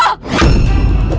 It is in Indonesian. dasar kau dukun palsu